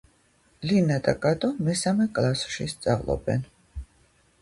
ლინა და კატო მესამე კლასში სწავლობენ